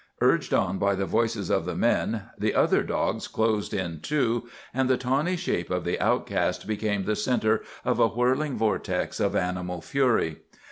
Urged on by the voices of the men the other dogs closed in too, and the tawny shape of the outcast became the centre of a whirling vortex of animal fury.